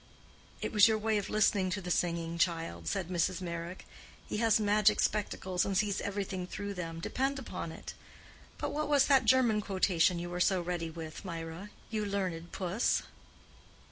"It was your way of listening to the singing, child," said Mrs. Meyrick. "He has magic spectacles and sees everything through them, depend upon it. But what was that German quotation you were so ready with, Mirah—you learned puss?"